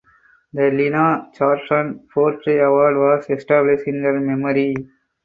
The Lina Chartrand Poetry Award was established in her memory.